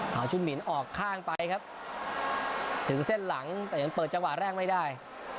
เอาชุดหมินออกข้างไปครับถึงเส้นหลังแต่ยังเปิดจังหวะแรกไม่ได้